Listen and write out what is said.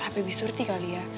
hp bi surti kali ya